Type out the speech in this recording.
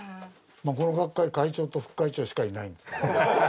まあこの学会会長と副会長しかしないんですけどね。